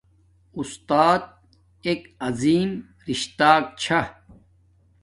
اُستات ایک عظم رشتاک چھا